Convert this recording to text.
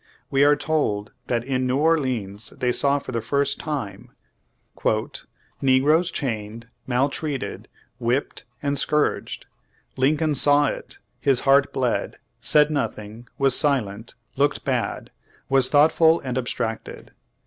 We are told that in New Orleans they saw for the first time "Negroes chained, maltreated, whipped and scourged. Lincoln saw it; his heart bled; said nothing; was silent; looked bad; was thoughtful and abstracted.